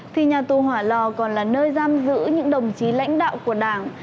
thì nhà tù hỏa lò còn là nơi giam giữ những đồng chí lãnh đạo của đảng